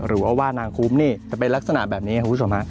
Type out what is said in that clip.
หรือว่าว่านางคุ้มนี่จะเป็นลักษณะแบบนี้คุณผู้ชมฮะ